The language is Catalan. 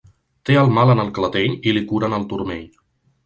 Té el mal en el clatell i li curen el turmell.